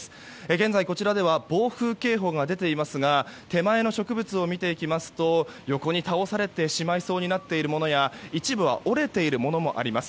現在、こちらでは暴風警報が出ていますが手前の植物を見ますと横に倒されてしまいそうになっているものや一部は折れているものもあります。